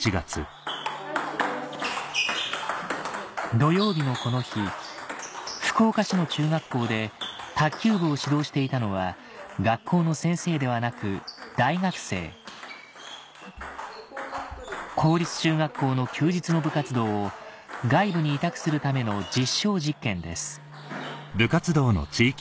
土曜日のこの日福岡市の中学校で卓球部を指導していたのは学校の先生ではなく大学生公立中学校の休日の部活動を外部に委託するための実証実験です